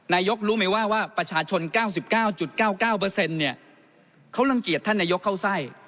นายกรู้ไหมว่าว่าประชาชนเก้าสิบเก้าจุดเก้าเก้าเปอร์เซ็นต์เนี่ยเขารังเกียจท่านนายกเข้าใส่